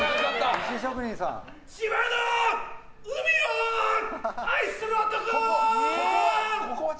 千葉の海を愛する男！